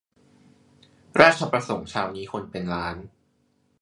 ราชประสงค์เช้านี้คนเป็นล้าน